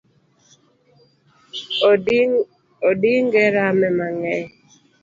Onding’e rame mang’eny